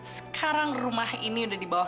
sekarang rumah ini udah dibawah